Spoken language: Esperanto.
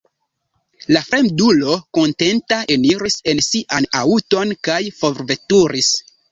La fremdulo, kontenta, eniris en sian aŭton kaj forveturis.